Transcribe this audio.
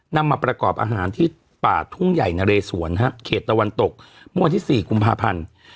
นำมาประกอบอาหารที่ป่าทุ่งใหญ่นะเรสวนฮะเขตตะวันตกเมื่อวันที่๔กุมภาพันธ์